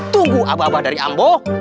tunggu abah abah dari ambo